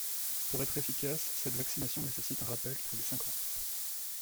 Pour être efficace, cette vaccination nécessite un rappel tous les cinq ans.